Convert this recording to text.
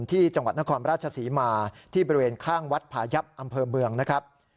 ที่จังหวัดนครราชศรีมาที่บริเวณข้างวัดผายับอำเภอเมืองนะครับ